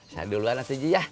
saya duluan nanti ji ya